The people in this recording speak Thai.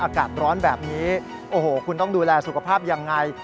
อากาศร้อนแบบนี้โอ้โหคุณต้องดูแลสุขภาพยังไง